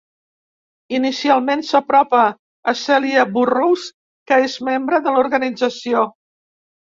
Inicialment s'apropa a Celia Burrows, que és membre de l'organització.